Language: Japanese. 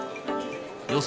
予想